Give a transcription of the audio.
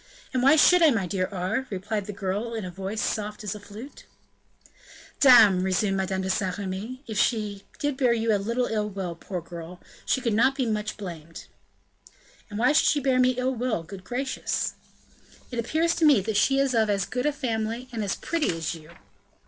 "And why should I, my dear Aure?" replied the girl in a voice soft as a flute. "Dame!" resumed Madame de Saint Remy; "if she did bear you a little ill will, poor girl, she could not be much blamed." "And why should she bear me ill will, good gracious?" "It appears to me that she is of as good a family, and as pretty as you."